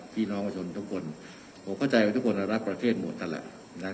พี่น้องประชาชนทุกคนผมเข้าใจว่าทุกคนรักประเทศหมดนั่นแหละนะ